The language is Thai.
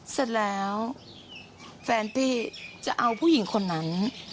เสร็จแล้วแฟนพี่จะเอาผู้หญิงคนนั้น